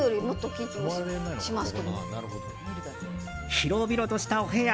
広々としたお部屋。